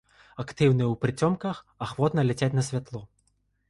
Актыўныя ў прыцемках, ахвотна ляцяць на святло.